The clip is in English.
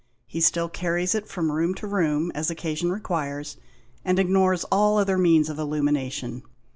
He still carries it from room to room as occasion requires, and ignores all other means of illumination.